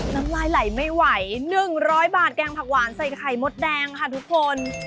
น้ำลายไหลไม่ไหว๑๐๐บาทแกงผักหวานใส่ไข่มดแดงค่ะทุกคน